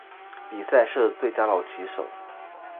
比赛设最佳老棋手。